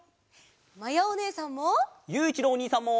まやおねえさんも。